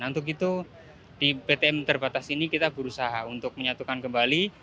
untuk itu di ptm terbatas ini kita berusaha untuk menyatukan kembali